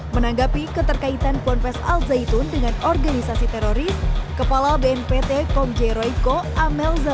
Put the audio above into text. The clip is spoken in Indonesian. menanggapi keterkaitan ponpes al zaitun dengan organisasi teroris kepala bnpt komje roy ko amelza